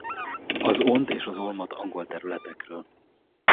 Az ónt és az ólmot angol területekről.